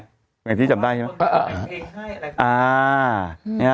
อย่างที่จำได้ใช่ไหม